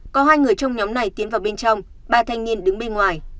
có hai người trong nhóm này tiến vào bên trong ba thanh niên đứng bên ngoài